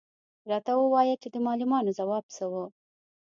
_راته ووايه چې د معلمانو ځواب څه و؟